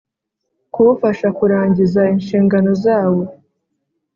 Kuwufasha kurangiza inshingano zawo